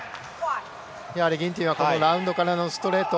やはりギンティンはラウンドからのストレート